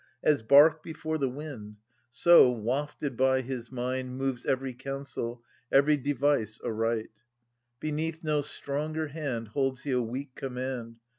As bark before the wind, So, wafted by his mind, Moves every counsel, each device aright. Beneath no stronger hand Holds he a weak command.